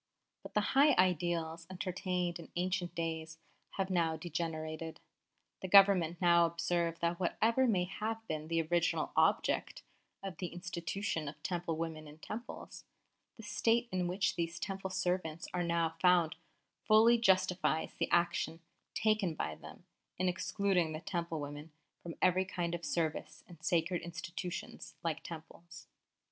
But the high ideals entertained in ancient days have now degenerated. ... The Government now observe that whatever may have been the original object of the institution of Temple women in Temples, the state in which these Temple servants are now found fully justifies the action taken by them in excluding the Temple women from every kind of service in sacred institutions like Temples.